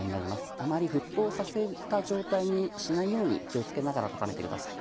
あまり沸騰させた状態にしないように気を付けながら温めてください